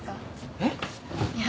えっ？いや。